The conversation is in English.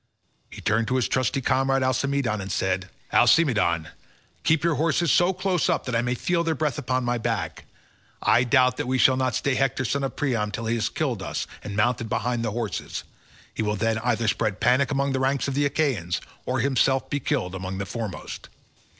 He turned to his trusty comrade Alcimedon and said, "Alcimedon, keep your horses so close up that I may feel their breath upon my back; I doubt that we shall not stay Hector son of Priam till he has killed us and mounted behind the horses; he will then either spread panic among the ranks of the Achaeans, or himself be killed among the foremost."